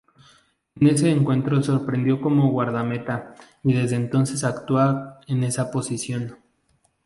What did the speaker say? En ese encuentro sorprendió como guardameta y desde entonces actúa en esa posición.